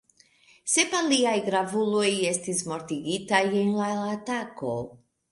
Sep aliaj gravuloj estis mortigitaj en la atako.